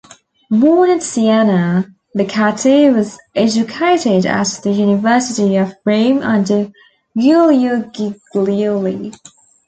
Born at Siena, Becatti was educated at the University of Rome under Giulio Giglioli.